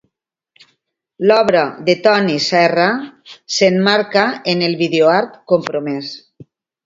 L'obra de Toni Serra s'emmarca en el videoart compromès.